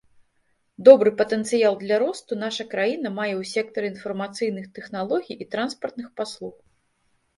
Добры патэнцыял для росту наша краіна мае ў сектары інфармацыйных тэхналогій і транспартных паслуг.